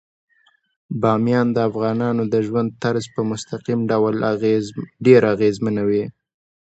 بامیان د افغانانو د ژوند طرز په مستقیم ډول ډیر اغېزمنوي.